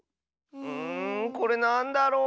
んこれなんだろう？